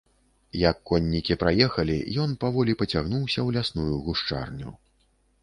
Як коннікі праехалі, ён паволі пацягнуўся ў лясную гушчарню.